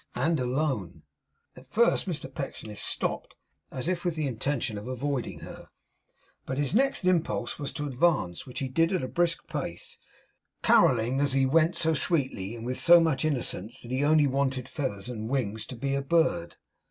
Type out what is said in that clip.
And alone. At first Mr Pecksniff stopped as if with the intention of avoiding her; but his next impulse was to advance, which he did at a brisk pace; caroling as he went so sweetly and with so much innocence that he only wanted feathers and wings to be a bird.